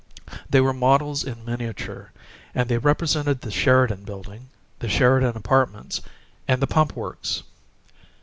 They were models in miniature, and they represented the Sheridan Building, the Sheridan Apartments, and the Pump Works.